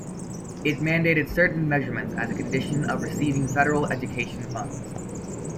It mandated certain measurements as a condition of receiving federal education funds.